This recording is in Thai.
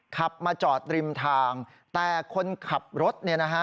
ขับมาจอดริมทางแต่คนขับรถ